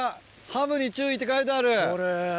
「ハブに注意」って書いてある。